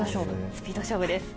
スピード勝負です。